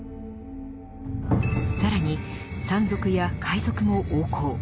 更に山賊や海賊も横行。